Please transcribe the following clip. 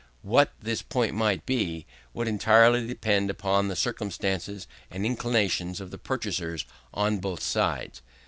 What this point might be, would entirely depend upon the circumstances and inclinations of the purchasers on both sides.